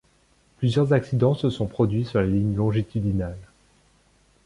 Plusieurs accidents se sont produits sur la ligne longitudinale.